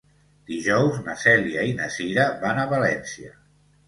Dijous na Cèlia i na Cira van a València.